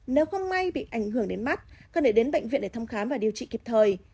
nếu không may bị ảnh hưởng đến mắt cần phải đến bệnh viện để thăm khám và điều trị kịp thời